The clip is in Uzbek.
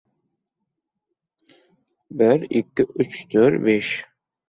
O‘z ustingdan hukmronliging – eng oliy hukmronlik.